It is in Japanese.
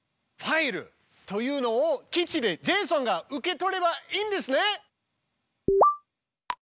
「ファイル」というのを基地でジェイソンが受け取ればいいんですね？